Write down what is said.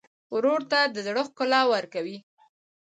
ورور ته د زړه ښکلا ورکوې.